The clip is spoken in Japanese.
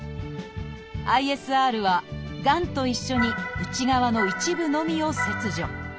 ＩＳＲはがんと一緒に内側の一部のみを切除。